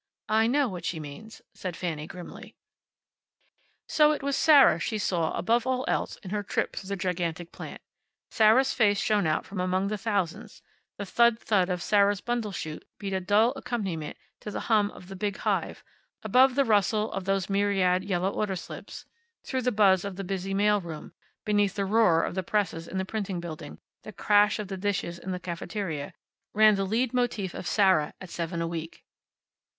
"I know what she means," said Fanny, grimly. So it was Sarah she saw above all else in her trip through the gigantic plant; Sarah's face shone out from among the thousands; the thud thud of Sarah's bundle chute beat a dull accompaniment to the hum of the big hive; above the rustle of those myriad yellow order slips, through the buzz of the busy mail room; beneath the roar of the presses in the printing building, the crash of the dishes in the cafeteria, ran the leid motif of Sarah at seven a week.